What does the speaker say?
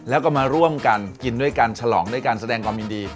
แล้วก็มาร่วมกันกินด้วยกันฉลองด้วยการแสดงความยินดี